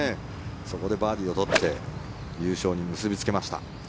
そこでバーディーを取って優勝に結びつけました。